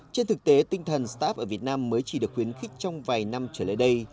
trên thực tế tinh thần start up ở việt nam mới chỉ được khuyến khích trong vài năm trở lại đây